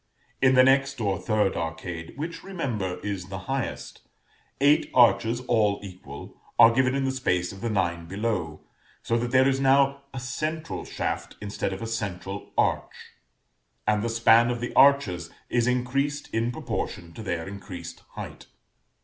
In the next or third arcade, which, remember, is the highest, eight arches, all equal, are given in the space of the nine below, so that there is now a central shaft instead of a central arch, and the span of the arches is increased in proportion to their increased height.